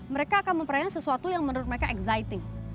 mereka akan memperoleh sesuatu yang menurut mereka exciting